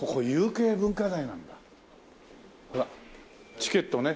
チケットね。